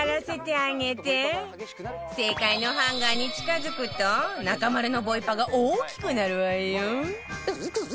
正解のハンガーに近付くと中丸のボイパが大きくなるわよ